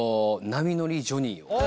「波乗りジョニー」